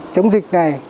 chống dịch này